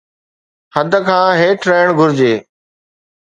حد کان هيٺ رهڻ گهرجي